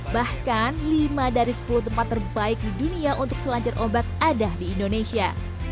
bahkan lima dari sepuluh tempat terbaik di dunia untuk selancar obat ada di indonesia